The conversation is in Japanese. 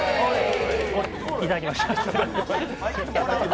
いただきました。